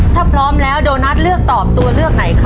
ถ้าพร้อมแล้วโดนัทเลือกตอบตัวเลือกไหนครับ